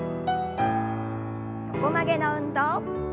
横曲げの運動。